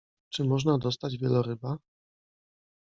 Czy można dostać wieloryba?